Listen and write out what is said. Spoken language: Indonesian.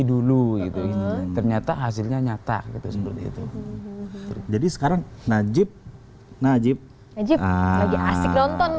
dulu itu ternyata hasilnya nyata gitu seperti itu jadi sekarang najib najib najib lagi asik nonton